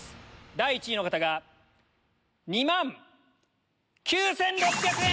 第１位の方が２万９６００円！